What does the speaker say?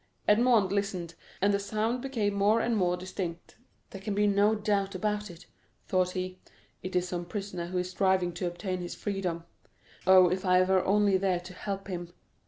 Edmond listened, and the sound became more and more distinct. "There can be no doubt about it," thought he; "it is some prisoner who is striving to obtain his freedom. Oh, if I were only there to help him!"